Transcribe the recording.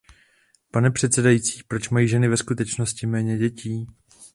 Pane předsedající, proč mají ženy ve skutečnosti méně dětí?